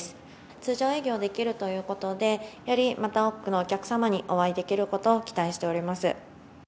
通常営業できるということで、よりまた多くのお客様にお会いできることを期待しております。